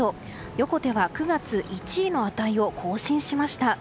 横手は９月１位の値を更新しました。